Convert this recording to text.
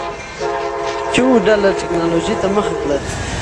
کیو ډله ټکنالوجۍ ته مخه کړه.